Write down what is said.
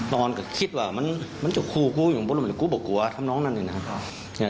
ตอนก็คิดว่ามันจะคู่อยู่ข้างบนแต่กูบอกว่าทำน้องนั่นนี่นะ